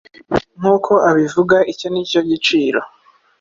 nk'uko abivuga, icyo nicyo giciro